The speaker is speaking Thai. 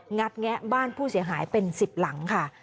ัดแงะบ้านผู้เสียหายเป็น๑๐หลังค่ะ